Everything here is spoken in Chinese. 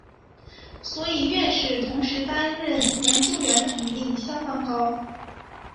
所以院士同时担任研究员的比率相当高。